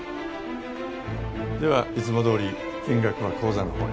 ではいつもどおり金額は口座のほうへ。